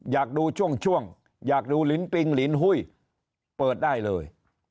อยากดูช่วงอยากดูลินปิงลินหุ้ยเปิดได้เลย